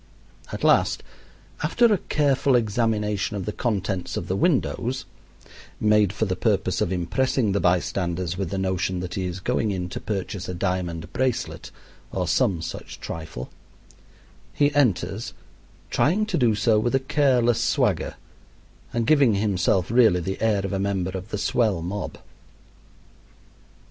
At last, after a careful examination of the contents of the windows, made for the purpose of impressing the bystanders with the notion that he is going in to purchase a diamond bracelet or some such trifle, he enters, trying to do so with a careless swagger, and giving himself really the air of a member of the swell mob.